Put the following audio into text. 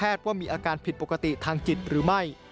การรอผลตรวจจากแพทย์ว่ามีอาการผิดปกติทางจิตหรือไม่